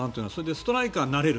ストライカーになれる。